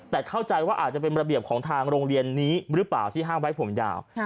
แต่เข้าใจว่าอาจจะเป็นระเบียบของทางโรงเรียนนี้หรือเปล่าที่ห้ามไว้ผมยาว